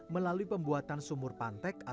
melalui pembuatan sumur pantek atau tantan